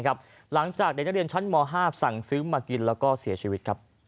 หลังจากเด็กนักเรียนชั้นม๕สั่งซื้อมากินแล้วก็เสียชีวิต